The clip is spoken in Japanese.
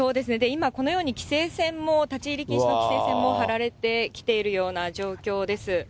今、このように規制線も、立ち入り禁止の規制線も張られてきているような状況です。